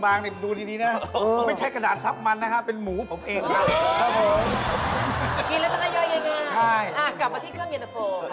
กินแล้วก็ได้ยอดยายงามอ่ะกลับมาที่เครื่องเย็นเตอร์โฟค่ะ